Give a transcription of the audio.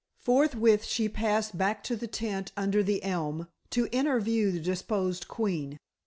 Forthwith she passed back to the tent under the elm, to interview the deposed queen.